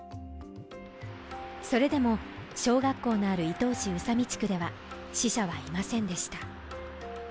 それでも小学校のある伊東市宇佐美地区では死者はいませんでした